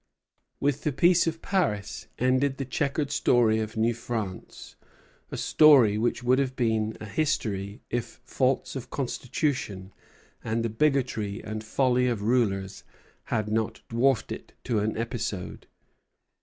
With the Peace of Paris ended the checkered story of New France; a story which would have been a history if faults of constitution and the bigotry and folly of rulers had not dwarfed it to an episode.